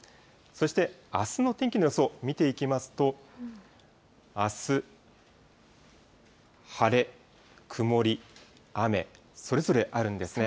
そしてあすの天気の予想、見ていきますと、あす、晴れ、曇り、雨、それぞれあるんですね。